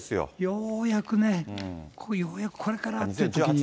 ようやくね、これ、ようやくこれからってときにね。